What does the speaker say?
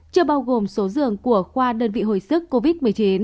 chưa bao gồm số giường của khoa đơn vị hồi sức covid một mươi chín